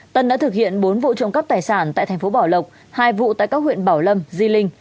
tân đã thực hiện bốn vụ trộm cắp tài sản tại thành phố bảo lộc hai vụ tại các huyện bảo lâm di linh